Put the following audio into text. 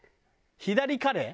左カレイ？